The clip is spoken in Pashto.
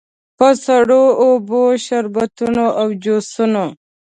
په سړو اوبو، شربتونو او جوسونو.